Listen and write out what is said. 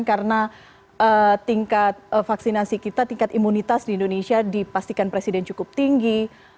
karena tingkat vaksinasi kita tingkat imunitas di indonesia dipastikan presiden cukup tinggi